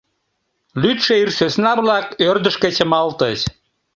Лӱдшӧ ир сӧсна-влак ӧрдыжкӧ чымалтыч.